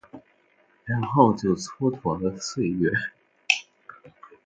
然后就蹉跎了岁月